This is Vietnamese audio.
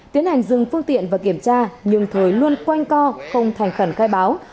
tiến hành dừng phương tiện và kiểm tra nhưng thời luôn quanh co không thành khẩn khai báo